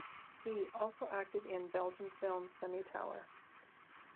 He also acted in Belgium film "Semi Tower".